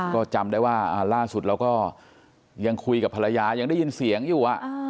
ก็จำได้ว่าล่าสุดเราก็ยังคุยกับภรรยายังได้ยินเสียงอยู่